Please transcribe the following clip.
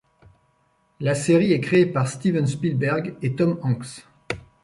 La série est créée par Steven Spielberg et Tom Hanks.